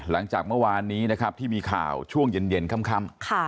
หลังจากเมื่อวานนี้นะครับที่มีข่าวช่วงเย็นค่ำ